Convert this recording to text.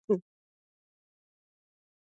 موږ به سبا د تا وریځي وخورو